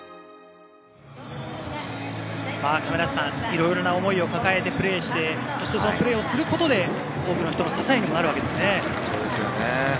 色々な思いを抱えてプレーして、そのプレーをすることで多くの人の支えにもなるわけですね。